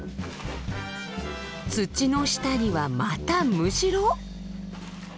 土の下にはまたムシロ？